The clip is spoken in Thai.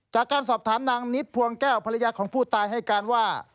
จากการสอบถามนางนิดพวงแก้วภรรยาของผู้ตายให้การว่า